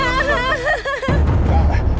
kelarin kamu kelarin